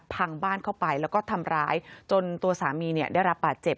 พังบ้านเข้าไปแล้วก็ทำร้ายจนตัวสามีเนี่ยได้รับบาดเจ็บ